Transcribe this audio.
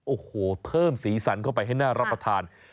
โอ้โหเพิ่มสีสันเข้าไปให้น่ารับประทาน